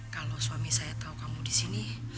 kalau suami saya tau kamu disini